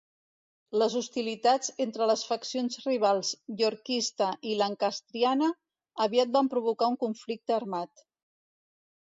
Les hostilitats entre les faccions rivals Yorkista i Lancastriana aviat van provocar un conflicte armat.